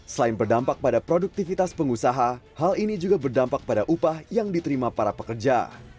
selain berdampak pada produktivitas pengusaha hal ini juga berdampak pada upah yang diterima para pekerja